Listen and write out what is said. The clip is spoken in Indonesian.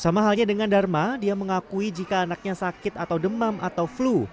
sama halnya dengan dharma dia mengakui jika anaknya sakit atau demam atau flu